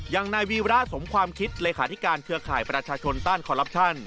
อย่างนายวีระสมความคิดเลขาธิการเครือข่ายประชาชนต้านคอลลับชั่น